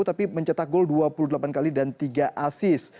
tapi mencetak gol dua puluh delapan kali dan tiga asis